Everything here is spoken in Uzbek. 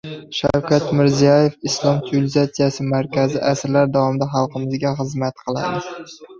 Shavkat Mirziyoev: Islom sivilizatsiyasi markazi asrlar davomida xalqimizga xizmat qiladi